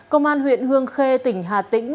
công an huyện hương khê tỉnh hà tĩnh